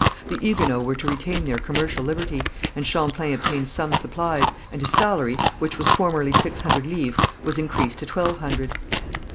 The Huguenots were to retain their commercial liberty, and Champlain obtained some supplies, and his salary, which was formerly six hundred livres, was increased to twelve hundred.